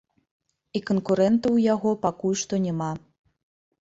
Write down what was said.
І канкурэнтаў у яго пакуль што няма.